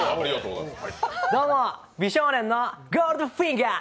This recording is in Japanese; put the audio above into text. どうも、美少年のゴールドフィンガー。